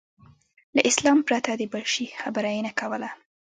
له اسلام پرته د بل شي خبره یې نه کوله.